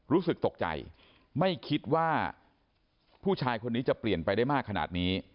รู้สึกตกใจไม่คิดว่าผู้ชายคนนี้จะเปลี่ยนไปได้มากขนาดนี้